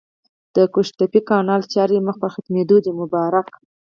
د قوشتېپې کانال چارې مخ پر ختمېدو دي! مبارک